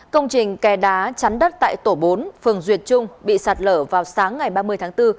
công trình kè đá chắn đất tại tổ bốn phường duyệt trung bị sạt lở vào sáng ngày ba mươi tháng bốn